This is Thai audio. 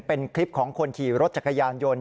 เป็นคลิปของคนขี่รถจักรยานยนต์